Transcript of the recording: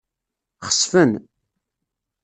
Xesfen.